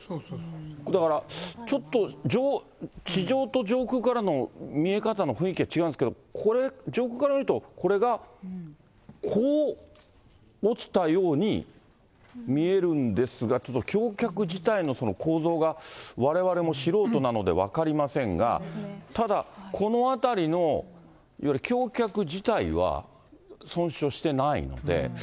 だからちょっと、地上と上空からの見え方の雰囲気が違うんですけど、これ、上空から見ると、これがこう落ちたように見えるんですが、ちょっと橋脚自体の構造がわれわれも素人なので分かりませんが、ただ、このあたりの、いわゆる橋脚自体は、損傷してないので。